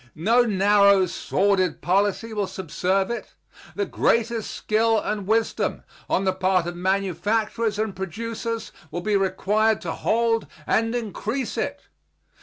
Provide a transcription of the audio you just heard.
No narrow, sordid policy will subserve it. The greatest skill and wisdom on the part of manufacturers and producers will be required to hold and increase it.